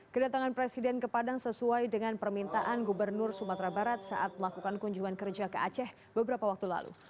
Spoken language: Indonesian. kedatangan presiden ke padang sesuai dengan permintaan gubernur sumatera barat saat melakukan kunjungan kerja ke aceh beberapa waktu lalu